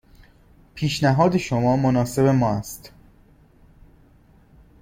پیشنهاد شما مناسب ما است.